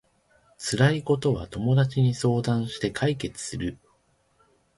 辛いことは友達に相談して解決する